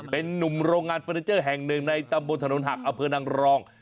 เป็นนุ่มโรงงานเฟอร์นิเจอร์แห่งหนึ่งในตำบลถนนหักอำเภอนางรอง